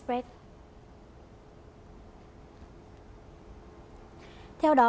theo đó công ty hồ chí minh